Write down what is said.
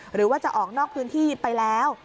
หรือว่าจะออกนอกพื้นที่ไปแล้ว